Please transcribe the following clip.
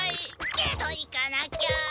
けど行かなきゃ！